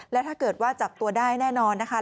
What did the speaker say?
และถ้าเกิดว่าจับตัวได้แน่นอนนะคะ